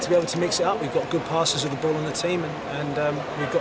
dan kami memiliki kekuatan yang bagus dengan kecepatan dan ruang yang luas